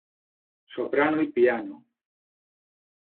Soprano y Piano.